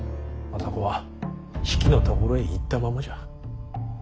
政子は比企のところへ行ったままじゃ。